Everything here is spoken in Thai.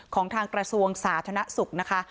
ของทางกระทรวงสาธารณสุขนะคะ